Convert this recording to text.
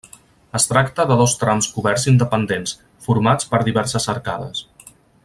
Es tracta de dos trams coberts independents, formats per diverses arcades.